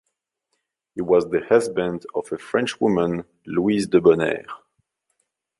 He was the husband of a Frenchwoman, Louise Debonaire.